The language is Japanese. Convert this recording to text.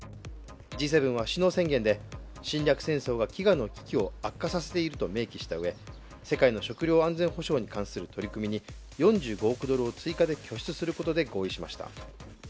Ｇ７は首脳宣言で侵略戦争が飢餓を悪化させていると述べ世界の食料安全保障に対する取り組みに４５億ドルを追加で拠出することで合意しました。